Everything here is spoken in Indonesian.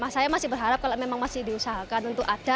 saya masih berharap kalau memang masih diusahakan untuk ada